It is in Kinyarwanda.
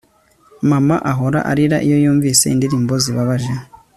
Mama ahora arira iyo yumvise indirimbo zibabaje